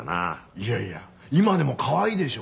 いやいや今でもかわいいでしょ。